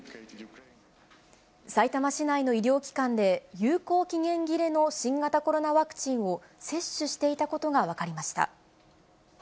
さいたま市内の医療機関で有効期限切れの新型コロナワクチンを接種していたことが分かりました。